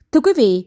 thưa quý vị